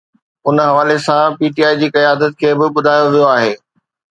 ان حوالي سان پي ٽي آءِ جي قيادت کي به ٻڌايو ويو آهي